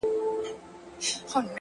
ستا د خولې سلام مي د زړه ور مات كړ ـ